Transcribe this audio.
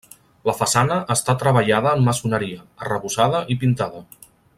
La façana està treballada en maçoneria, arrebossada i pintada.